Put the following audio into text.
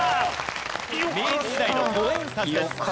明治時代の５円札です。